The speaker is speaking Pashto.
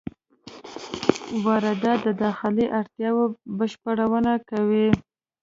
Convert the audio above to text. واردات د داخلي اړتیاوو بشپړونه کوي.